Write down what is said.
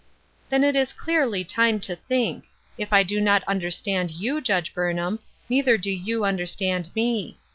" Then it is clearly time to think. If I do not understand you,, Judge Burnham, neither do you understand me.